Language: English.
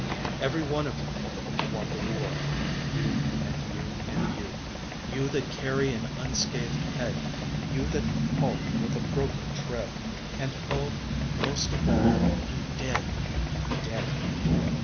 Every one of you won the war, You and you and you You that carry an unscathed head, You that halt with a broken tread, And oh, most of all, you Dead, you Dead!